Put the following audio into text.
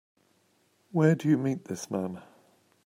Where'd you meet this man?